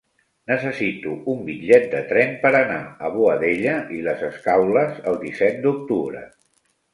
Necessito un bitllet de tren per anar a Boadella i les Escaules el disset d'octubre.